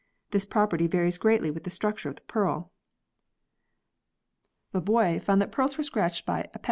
This property varies greatly with the structure of the pearl. Moebius found that pearls were scratched by 62 PEARLS [CH.